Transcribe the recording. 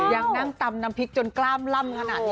ยังนั่งตำน้ำพริกจนกล้ามล่ำขนาดนี้